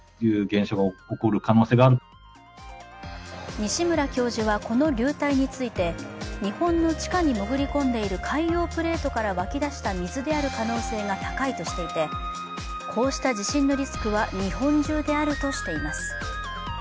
西村教授はこの流体について日本の地下に潜り込んでいる海洋プレートから湧き出した水である可能性が高いとしていてこうした地震のリスクは日本中であるとしています。